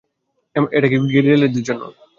এমনটা কি গ্রাজিয়েলার জন্য?